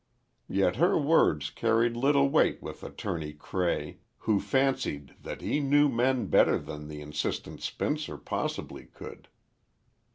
Yet her words carried little weight with Attorney Cray, who fancied that he knew men better than the insistent spinster possibly could.